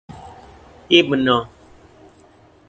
Himno